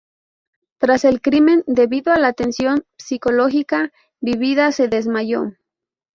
Tras el crimen, debido a la tensión psicológica vivida, se desmayó.